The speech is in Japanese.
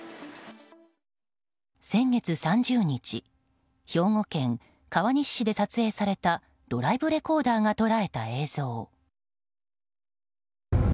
先月３０日兵庫県川西市で撮影されたドライブレコーダーが捉えた映像。